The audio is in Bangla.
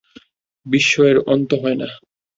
বিস্ময়ের অন্ত হয় না।